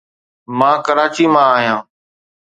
مان ڪراچي مان آهيان.